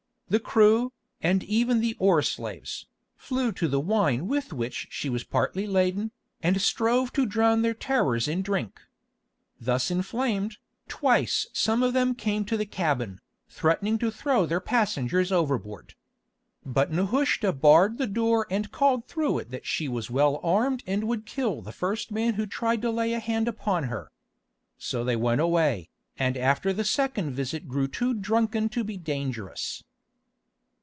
The crew, and even the oar slaves, flew to the wine with which she was partly laden, and strove to drown their terrors in drink. Thus inflamed, twice some of them came to the cabin, threatening to throw their passengers overboard. But Nehushta barred the door and called through it that she was well armed and would kill the first man who tried to lay a hand upon her. So they went away, and after the second visit grew too drunken to be dangerous.